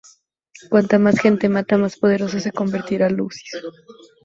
Cuanta más gente mata, más poderoso se convertirá Lucius.